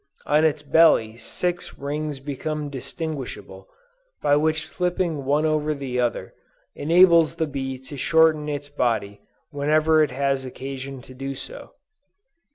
On its belly six rings become distinguishable, which by slipping one over another enables the bee to shorten its body whenever it has occasion to do so.